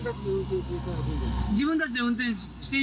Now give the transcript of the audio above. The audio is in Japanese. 自分たちで運転していい。